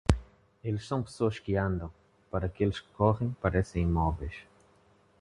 Eles são pessoas que andam; Para aqueles que correm, parecem imóveis.